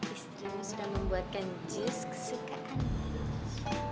istrimu sudah membuatkan jus kesukaan